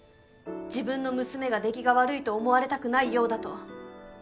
自分の娘が出来が悪いと思われたくないようだ」と。